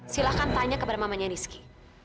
silahkan tanya kepada mamanya rizky